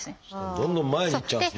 どんどん前にいっちゃうんですね。